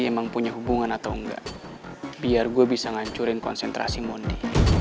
emang punya hubungan atau enggak biar gue bisa ngancurin konsentrasi mondi